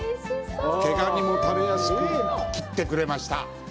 毛ガニも食べやすく切ってくれました。